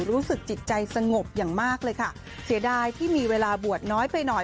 รู้สึกจิตใจสงบอย่างมากเลยค่ะเสียดายที่มีเวลาบวชน้อยไปหน่อย